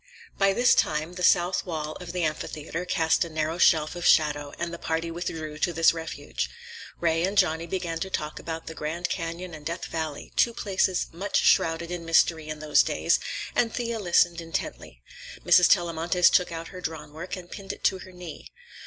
By this time the south wall of the amphitheater cast a narrow shelf of shadow, and the party withdrew to this refuge. Ray and Johnny began to talk about the Grand Canyon and Death Valley, two places much shrouded in mystery in those days, and Thea listened intently. Mrs. Tellamantez took out her drawn work and pinned it to her knee.